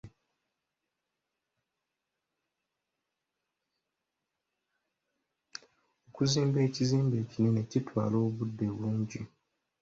Okuzimba ekizimbe ekinene kitwala obudde bungi.